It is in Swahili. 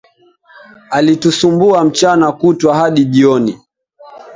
Alitusumbua mchana kutwa hadi jioni